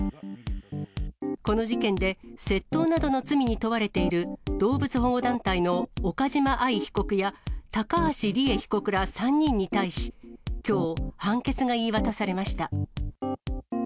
この事件で、窃盗などの罪に問われている動物保護団体の岡島愛被告や、高橋里衣被告ら３人に対し、きょう判決が言い渡されました。